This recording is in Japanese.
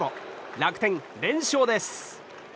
楽天、連勝です。